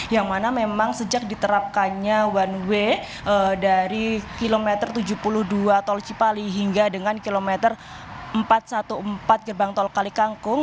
yang mana memang sejak diterapkannya one way dari kilometer tujuh puluh dua tol cipali hingga dengan kilometer empat ratus empat belas gerbang tol kalikangkung